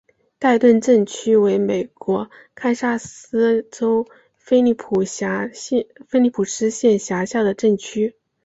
代顿镇区为美国堪萨斯州菲利普斯县辖下的镇区。